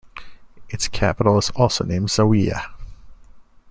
Its capital is also named Zawiya.